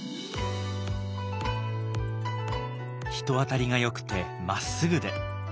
人当たりがよくてまっすぐで。